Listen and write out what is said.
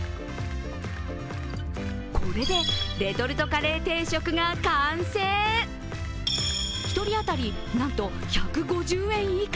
これでレトルトカレー定食が完成１人当たりなんと１５０円以下。